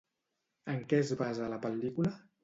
En què es basa la pel·lícula?